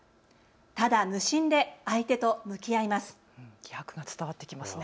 ただ無心で相手と向き合います。